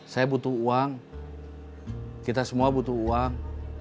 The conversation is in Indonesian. saya butuh uang kita semua butuh uang